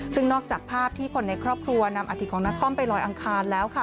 ซึ่งนอกจากภาพที่คนในครอบครัวนำอาทิตของนครไปลอยอังคารแล้วค่ะ